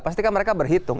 pasti kan mereka berhitung